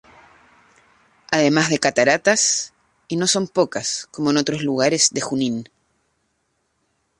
Además de cataratas, y no son pocas como en otros lugares de Junín.